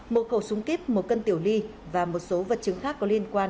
một khẩu súng kíp một cân tiểu ly và một số vật chứng khác có liên quan